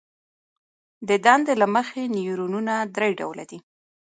د دندې له مخې نیورونونه درې ډوله دي.